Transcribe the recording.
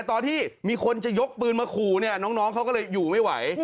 ตอนที่มีคนจะยกปืนมาขู่เนี่ยน้องเขาก็เลยอยู่ไม่ไหว